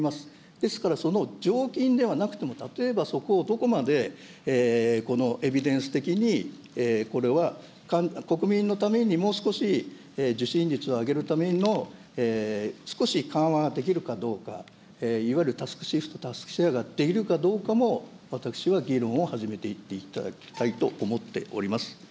ですから、その常勤ではなくとも、例えばそこをどこまで、このエビデンス的にこれは国民のためにもう少し受診率を上げるための、少し緩和できるかどうか、いわゆるタスクシフト、タスクシェアができるかどうかも、私は議論を始めていっていただきたいと思っております。